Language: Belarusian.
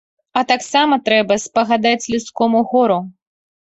А таксама трэба спагадаць людскому гору.